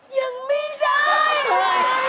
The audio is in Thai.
ยังไม่ได้เลย